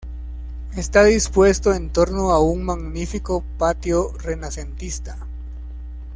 Está dispuesto en torno a un magnífico patio renacentista.